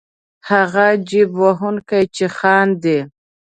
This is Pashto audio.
هغه جېب وهونکی چې خاندي.